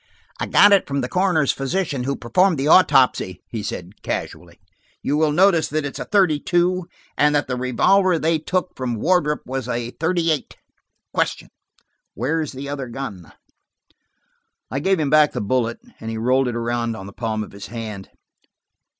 "I got it from the coroner's physician, who performed the autopsy," he said casually. "You will notice that it is a thirty two, and that the revolver they took from Wardrop was a thirty eight. Question, where's the other gun?" I gave him back the bullet, and he rolled it around on the palm of his hand.